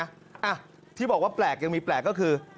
อ่ะที่บอกว่าแปลกยังมีแปลกก็คือ